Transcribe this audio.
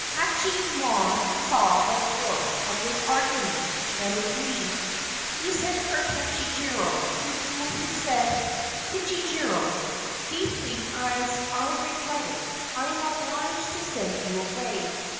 Hachiyemon saw the force of this argument, and agreed. He sent for Kichijiro, to whom he said : 4 Kichijiro, deeply as I regret it, I am obliged to send you away.